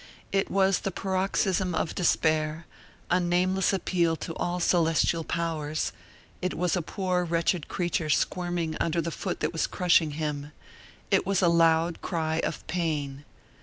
It was the paroxysm of despair, a nameless appeal to all celestial powers; it was a poor wretched creature squirming under the foot that was crushing him; it was a loud cry of pain.